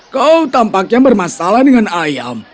kau tampaknya bermasalah dengan ayam